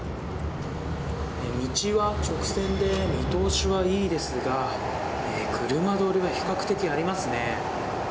道は直線で見通しはいいですが車通りは比較的ありますね。